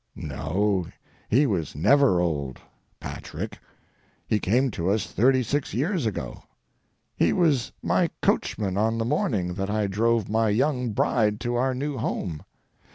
No, he was never old—Patrick. He came to us thirty six years ago. He was my coachman on the morning that I drove my young bride to our new home.